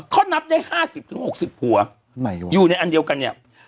เขานับได้ห้าสิบถึงหกสิบหัวไหนวะอยู่ในอันเดียวกันเนี้ย